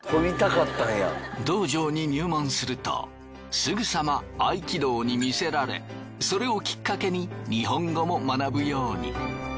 道場に入門するとすぐさま合気道に魅せられそれをきっかけに日本語も学ぶように。